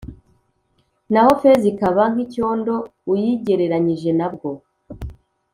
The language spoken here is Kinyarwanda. naho feza ikaba nk’icyondo, uyigereranyije na bwo.